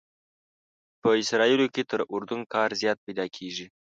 په اسرائیلو کې تر اردن کار زیات پیدا کېږي.